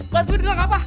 bantu gua denger kapa